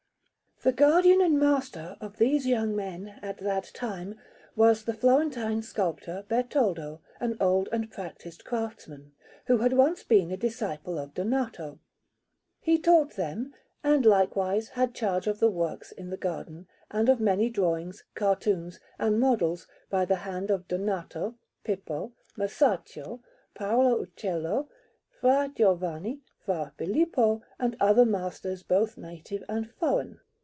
The guardian and master of these young men, at that time, was the Florentine sculptor Bertoldo, an old and practised craftsman, who had once been a disciple of Donato. He taught them, and likewise had charge of the works in the garden, and of many drawings, cartoons, and models by the hand of Donato, Pippo, Masaccio, Paolo Uccello, Fra Giovanni, Fra Filippo, and other masters, both native and foreign.